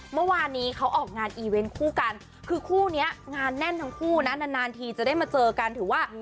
เมื่อวานนี้เขาออกงานอีเวนต์คู่กันคือคู่นี้งานแน่นทั้งคู่นะนานทีจะได้มาเจอกันถือว่า